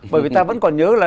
bởi vì ta vẫn còn nhớ là